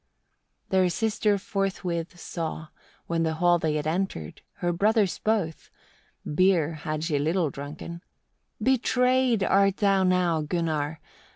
15. Their sister forthwith saw, when the hall they had entered, her brothers both beer had she little drunken "Betrayed art thou now, Gunnar!